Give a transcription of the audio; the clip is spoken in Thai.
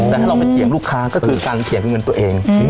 แต่ถ้าเราไปเถียงลูกค้าก็คือการเถียงเงินตัวเอง